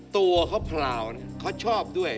ตัวเขาพลาวนะครับเขาชอบด้วย